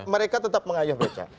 mereka tetap mengayuh becak